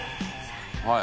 はい。